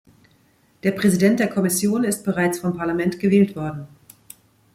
Der Präsident der Kommission ist bereits vom Parlament gewählt worden.